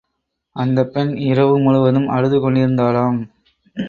அந்தப்பெண் இரவு முழுவதும் அழுது கொண்டிருந்தாளாம்.